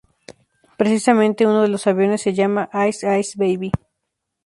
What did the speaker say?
Precisamente uno de los aviones se llama "ice ice baby".